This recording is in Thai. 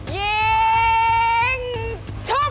ยิงชุบ